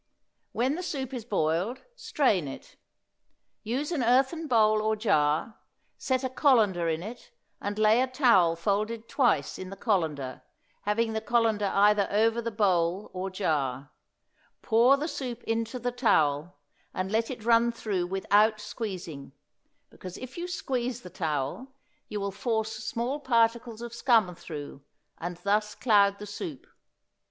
When the soup is boiled, strain it; use an earthen bowl or jar; set a colander in it, and lay a towel folded twice in the colander, having the colander either over the bowl or jar; pour the soup into the towel, and let it run through without squeezing, because if you squeeze the towel you will force small particles of scum through, and thus cloud the soup.